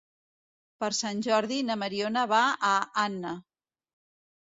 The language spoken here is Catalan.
Per Sant Jordi na Mariona va a Anna.